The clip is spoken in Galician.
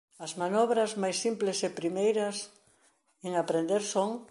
As manobras máis simples e primeiras en aprender son.